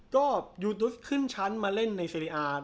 ก็ยูทูสขึ้นชั้นมาเล่นในซีรีอาร์